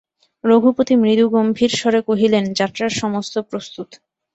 রঘুপতি মৃদুগম্ভীর স্বরে কহিলেন, যাত্রার সমস্ত প্রস্তুত।